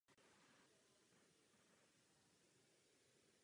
V komunální politice se zde angažoval i po sametové revoluci.